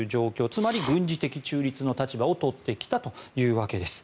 つまり軍事的中立の立場を取ってきたというわけです。